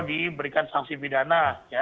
diberikan sanksi pidana ya